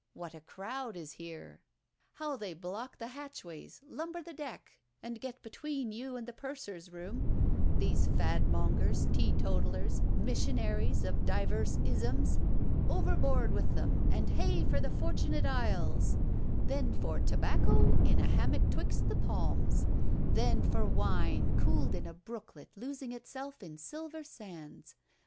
What a crowd is here! How they block the hatchways, lumber the deck, and get between you and the purser's room—these fadmongers, teetotallers, missionaries of divers isms! Overboard with them, and hey for the Fortunate Isles! Then for tobacco in a hammock 'twixt the palms! Then for wine cooled in a brooklet losing itself in silver sands!